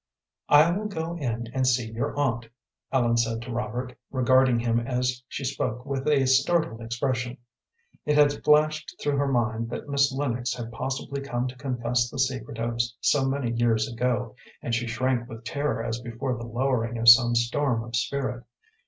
"I will go in and see your aunt," Ellen said to Robert, regarding him as she spoke with a startled expression. It had flashed through her mind that Miss Lennox had possibly come to confess the secret of so many years ago, and she shrank with terror as before the lowering of some storm of spirit.